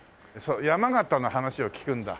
山形の話を聞くんだ。